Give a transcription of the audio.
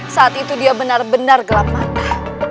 saat itu dia benar benar gelap mata